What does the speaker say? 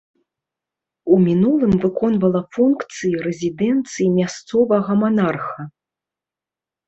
У мінулым выконвала функцыі рэзідэнцыі мясцовага манарха.